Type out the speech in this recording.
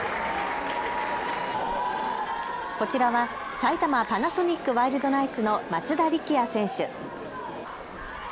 こちらは埼玉パナソニックワイルドナイツの松田力也選手。